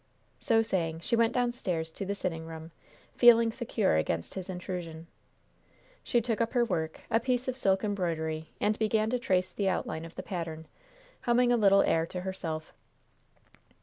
So saying, she went downstairs to the sitting room, feeling secure against his intrusion. She took up her work, a piece of silk embroidery, and began to trace the outline of the pattern, humming a little air to herself.